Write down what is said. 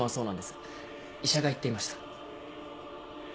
医者が言っていました。